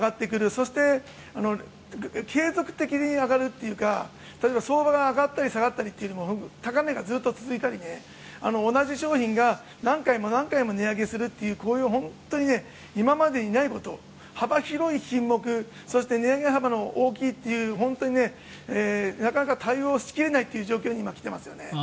そして継続的に上がるというか例えば、相場が上がったり下がったりというのも高値がずっと続いたり同じ商品が何回も何回も値上げするというこういう本当に今までにないこと幅広い品目値上げ幅の大きいという本当になかなか対応しきれないという状況に今、来ていますよね。